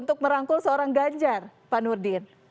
untuk merangkul seorang ganjar pak nurdin